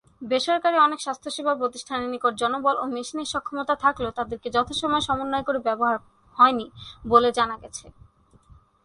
বেসরকারি অনেক স্বাস্থ্যসেবা প্রতিষ্ঠানের নিকট জনবল ও মেশিনের সক্ষমতা থাকলেও তাদেরকে যথাসময়ে সমন্বয় করে ব্যবহার করা হয়নি, বলে জানা গেছে।